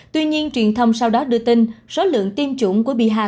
tuy nhiên truyền thông sau đó đưa tin số lượng tiêm chủng của bihar